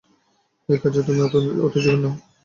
এই কাজে তুমি অতি জঘন্য!